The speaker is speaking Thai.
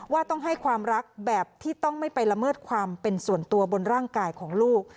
ว่าต้องให้ความรักแบบที่ต้องไม่ไปละเมิดความเป็นส่วนตัวบนร่างกายของลูก